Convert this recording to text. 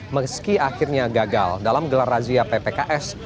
meski akhirnya gagal dalam gelar razia ppks